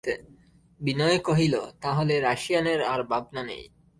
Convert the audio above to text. বিনয় কহিল, তা হলে রাশিয়ানের আর ভাবনা নেই।